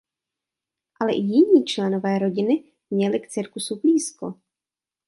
Ale i jiní členové rodiny měli k cirkusu blízko.